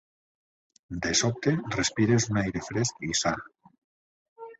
De sobte, respires un aire fresc i sa